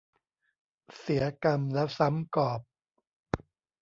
เสียกำแล้วซ้ำกอบ